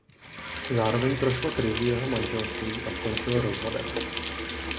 Zároveň prošlo krizí jeho manželství a skončilo rozvodem.